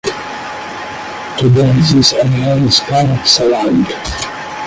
Today this area is called Salland.